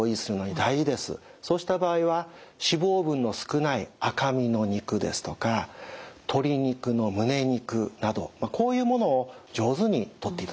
そうした場合は脂肪分の少ない赤身の肉ですとか鶏肉の胸肉などこういうものを上手にとっていただく。